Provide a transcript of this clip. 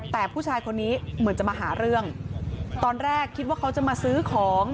แต่ผู้ชายคนนี้เหมือนจะมาหาเรื่องตอนแรกคิดว่าเขาจะมาซื้อของ